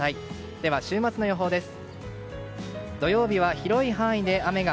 では、週末の予報です。